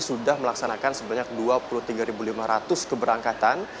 sudah melaksanakan sebanyak dua puluh tiga lima ratus keberangkatan